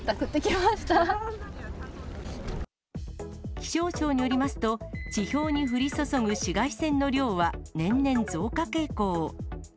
気象庁によりますと、地表に降り注ぐ紫外線の量は年々増加傾向。